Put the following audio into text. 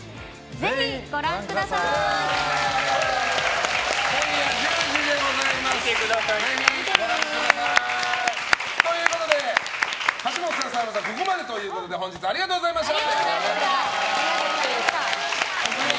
ぜひご覧ください。ということで橋本さん、沢村さんはここまでということで本日はありがとうございました！